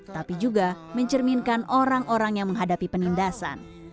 tapi juga mencerminkan orang orang yang menghadapi penindasan